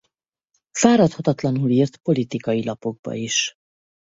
Fáradhatatlanul írt politikai lapokba is.